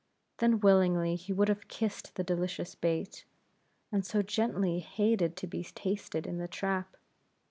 Then willingly he would have kissed the delicious bait, that so gently hated to be tasted in the trap.